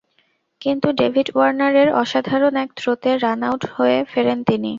কিন্তু ডেভিড ওয়ার্নারের অসাধারণ এক থ্রোতে রানআউট হয়ে ফেরেন তিনি।